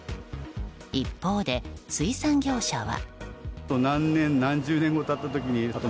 一方で水産業者は。